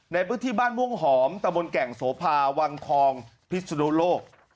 ในพื้นที่บ้านม่วงหอมตะบนแก่งโสภาวังทองพิศนุโลก